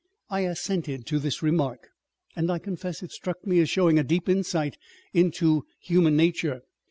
I assented to this remark, and I confess it struck me as showing a deep insight into human nature.